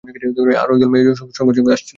আরো একদল মেয়ে সঙ্গে সঙ্গে আসছিল।